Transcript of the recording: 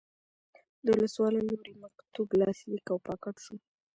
د ولسوال له لوري مکتوب لاسلیک او پاکټ شو.